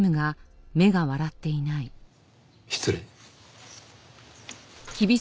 失礼。